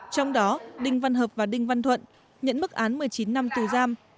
trong đó đinh văn hợp và đinh văn thuận nhận mức án một mươi chín năm tù giam